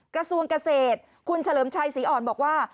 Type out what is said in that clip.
กระทรวงเกษตรคุณเฉลิมชัยศรีอ่อนบอกว่า